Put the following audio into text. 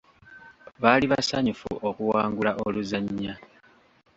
Baali basanyufu okuwangula oluzannya.